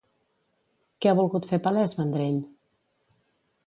Què ha volgut fer palès Vendrell?